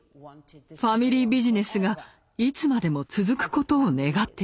ファミリービジネスがいつまでも続くことを願っていました。